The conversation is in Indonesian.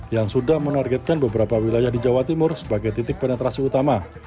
yang sudah menargetkan beberapa wilayah di jawa timur sebagai titik penetrasi utama